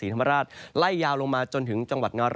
ก็จะมีการแผ่ลงมาแตะบ้างนะครับ